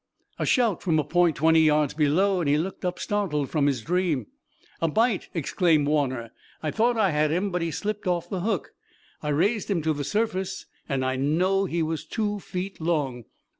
A shout from a point twenty yards below and he looked up, startled, from his dream. "A bite!" exclaimed Warner, "I thought I had him, but he slipped off the hook! I raised him to the surface and I know he was two feet long!"